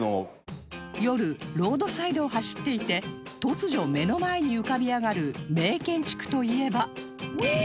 夜ロードサイドを走っていて突如目の前に浮かび上がる名建築といえば